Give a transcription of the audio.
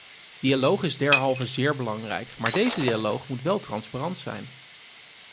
Dialoog is derhalve zeer belangrijk, maar deze dialoog moet wel transparant zijn.